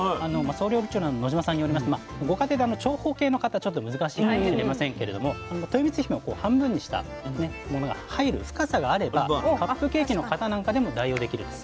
総料理長の野島さんによりますとご家庭で長方形の型ちょっと難しいかもしれませんけれどもとよみつひめを半分にしたものが入る深さがあればカップケーキの型なんかでも代用できるということなんです。